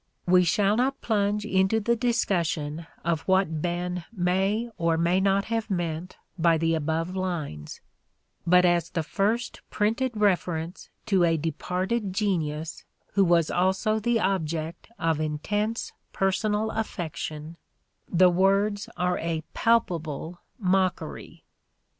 We shall not plunge into the discussion of what Ben may or may not have meant by the above lines ; but as the first printed reference to a departed genius who was also the object of intense personal affection the words are a palpable mockery.